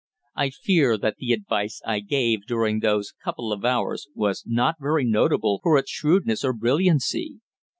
I fear that the advice I gave during those couple of hours was not very notable for its shrewdness or brilliancy.